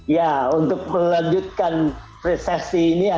ya untuk melanjutkan presesi ini ya